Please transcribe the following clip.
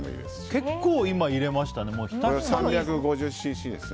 結構入れましたね。